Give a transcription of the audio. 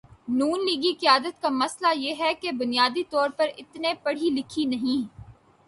نون لیگی قیادت کا مسئلہ یہ ہے کہ بنیادی طور پہ اتنے پڑھی لکھی نہیں۔